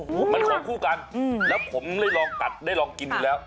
มันควบคู่กันแล้วผมได้ลองกัดได้ลองกินอยู่แล้ว